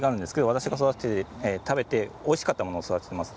私が育てて食べておいしかったものを育てています。